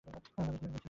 বালিশ দিয়ে দিয়েছি।